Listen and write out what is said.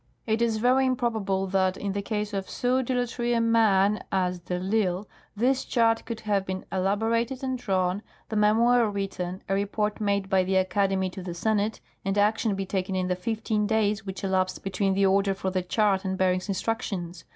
It is very improbable that, in the case of so dilatory a man as de I'Isle, this chart could have been elaborated and drawn, the memoir written, a report made by the Academy to the Senate, and action be taken in the fifteen days which elapsed between the order for the chart and Bering's instructions.